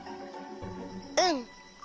うん。